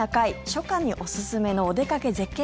初夏におすすめのお出かけ絶景